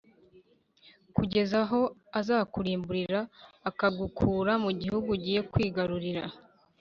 kugeza aho azakurimburira akagukura mu gihugu ugiye kwigarurira